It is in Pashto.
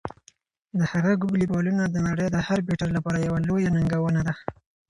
د هغه "ګوګلي" بالونه د نړۍ د هر بیټر لپاره یوه لویه ننګونه ده.